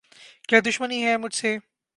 کیا دشمنی ہے مجھ سے؟